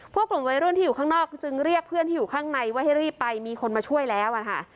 กลุ่มวัยรุ่นที่อยู่ข้างนอกจึงเรียกเพื่อนที่อยู่ข้างในว่าให้รีบไปมีคนมาช่วยแล้วนะคะ